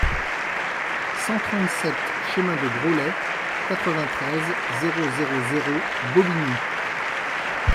cent trente-sept chemin de Groslay, quatre-vingt-treize, zéro zéro zéro, Bobigny